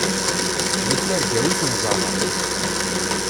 Di tirga-w i ten-ẓerreɣ.